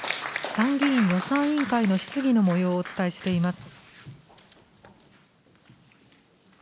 参議院予算委員会の質疑のもようをお伝えしています。